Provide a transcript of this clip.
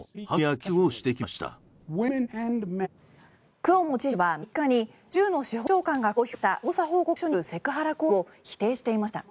クオモ知事は３日に州の司法長官が公表した調査報告書にあるセクハラ行為を否定していました。